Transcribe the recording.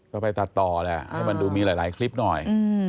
ก็ไปตัดต่อแหละให้มันดูมีหลายคลิปหน่อย